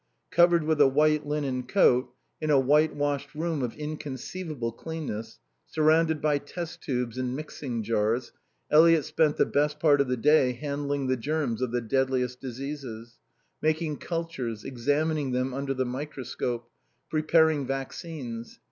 Covered with a white linen coat, in a white washed room of inconceivable cleanness, surrounded by test tubes and mixing jars, Eliot spent the best part of the day handling the germs of the deadliest diseases; making cultures, examining them under the microscope; preparing vaccines.